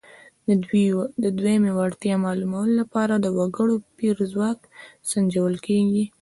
د دویمې وړتیا معلومولو لپاره د وګړو پېر ځواک سنجول کیږي.